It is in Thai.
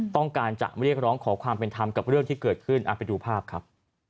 ต้องการจะเรียกร้องขอความเป็นธรรมกับเรื่องที่เกิดขึ้นไปดูภาพครับ